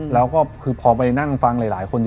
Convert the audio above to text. แล้วก็คือพอไปนั่งฟังหลายคน